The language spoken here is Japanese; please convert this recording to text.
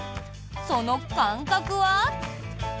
その感覚は？